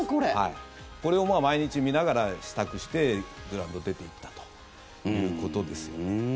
これを毎日見ながら支度してグラウンドに出ていったということです。